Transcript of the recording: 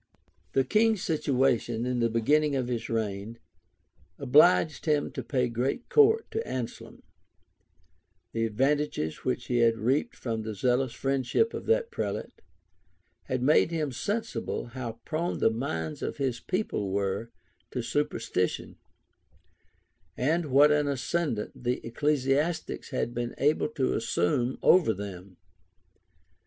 The king's situation in the beginning of his reign, obliged him to pay great court to Anselm: the advantages which he had reaped from the zealous friendship of that prelate, had made him sensible how prone the minds of his people were to superstition, and what an ascendant the ecclesiastics had been able to assume over them.